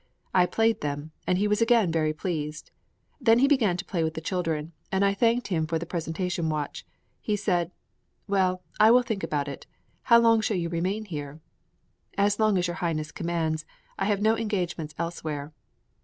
I played them, and he was again very pleased. Then he began to play with the children, and I thanked him for the presentation watch. He said, "Well, I will think about it. How long shall you remain here?" "As long as your highness commands. I have no engagement elsewhere."